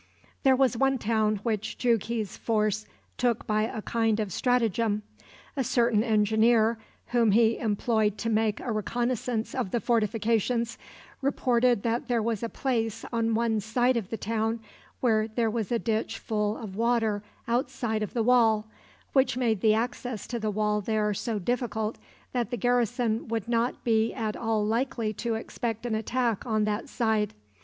There was one town which Jughi's force took by a kind of stratagem. A certain engineer, whom he employed to make a reconnoissance of the fortifications, reported that there was a place on one side of the town where there was a ditch full of water outside of the wall, which made the access to the wall there so difficult that the garrison would not be at all likely to expect an attack on that side.